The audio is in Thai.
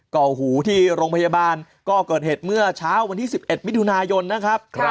เก่าหูที่โรงพยาบาลก็เกิดเหตุเมื่อเช้าวันที่๑๑มิถุนายนนะครับ